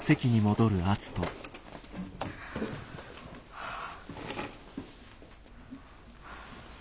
はあ。